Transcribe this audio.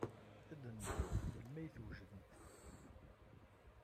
Ad neddu melmi ay t-wejdemt.